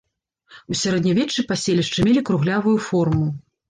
У сярэднявеччы паселішчы мелі круглявую форму.